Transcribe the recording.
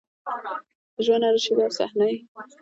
د ژونـد هـره شـيبه او صحـنه يـې